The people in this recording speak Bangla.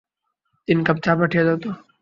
তিন কাপ চা পাঠিয়ে দাও তো।